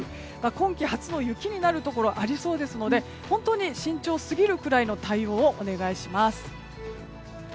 今季初の雪になるところがありそうですので本当に慎重すぎるくらいの対応をお願いします。